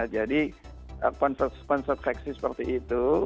jadi konser konser seksi seperti itu